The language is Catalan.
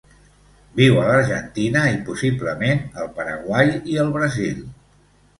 Viu a l'Argentina i, possiblement, el Paraguai i el Brasil.